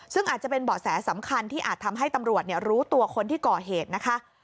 ซึ่งอาจจะเป็นเบาะแสสำคัญที่อาจทำให้ตำรวจรู้ตัวคนที่ก่อเหตุนะคะ